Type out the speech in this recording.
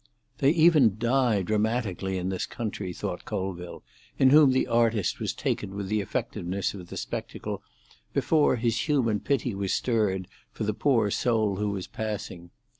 "They even die dramatically in this country," thought Colville, in whom the artist was taken with the effectiveness of the spectacle before his human pity was stirred for the poor soul who was passing.